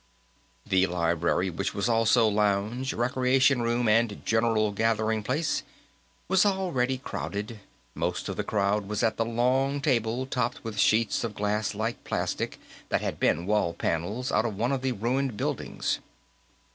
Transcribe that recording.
The library, which was also lounge, recreation room, and general gathering place, was already crowded; most of the crowd was at the long table topped with sheets of glasslike plastic that had been wall panels out of one of the ruined buildings.